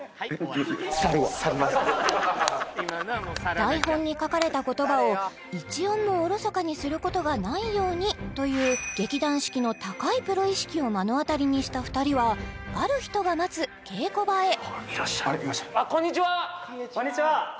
台本に書かれた言葉を一音もおろそかにすることがないようにという劇団四季の高いプロ意識を目の当たりにした２人はある人が待つ稽古場へいらっしゃいましたあっこんにちはこんにちは